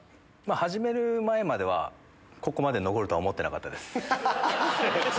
始める前まではここまで残るとは思ってなかったです。